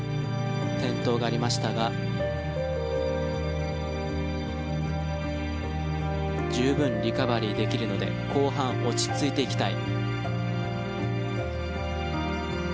転倒がありましたが十分リカバリーできるので後半、落ち着いていきたい。